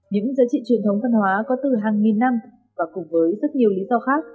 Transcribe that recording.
những giá trị truyền thống văn hóa có từ hàng nghìn năm và cùng với rất nhiều lý do khác